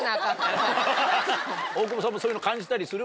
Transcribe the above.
大久保さんもそういうの感じたりする？